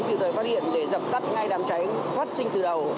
thì tôi phát hiện để dập tắt ngay đám cháy phát sinh từ đầu